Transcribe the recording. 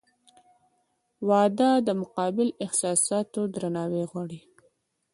• واده د متقابل احساساتو درناوی غواړي.